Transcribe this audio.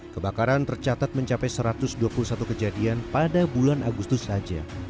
kebakaran tercatat mencapai satu ratus dua puluh satu kejadian pada bulan agustus saja